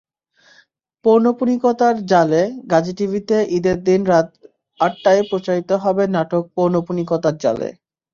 পৌনঃপুনিকতার জালেগাজী টিভিতে ঈদের দিন রাত আটটায় প্রচারিত হবে নাটক পৌনঃপুনিকতার জালে।